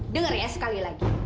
dengar ya sekali lagi